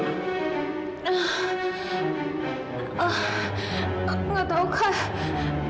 nggak tahu kak